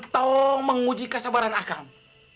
tung menguji kesabaran akang